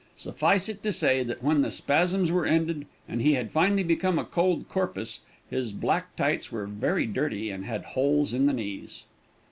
Suffice it to say, that when the spasms were ended, and he had finally become a "cold corpus," his black tights were very dirty and had holes in the knees.